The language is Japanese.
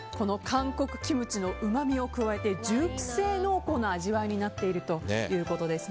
韓国キムチのうまみを加えて熟成濃厚な味わいになっているということです。